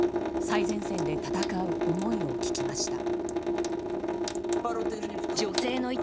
最前線で戦う思いを聞きました。